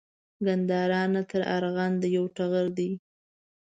ګندارا نه تر ارغند یو ټغر دی